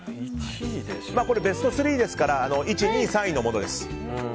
これベスト３ですから１位、２位、３位のものです。